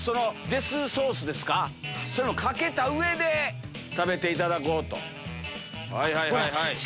デスソースそれもかけた上で食べていただこうと。